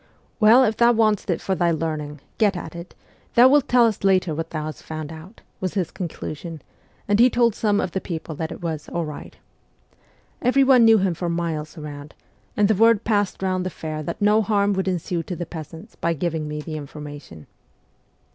' Well, if thou wantest it for thy learning, get at it ; thou wilt tell us later on what thou hast found out ' ^was his conclusion, and he told some of the people that it was ' all right.' Everyone knew him for miles round, and the word passed round the fail that no harm would ensue to the peasants by giving me the information.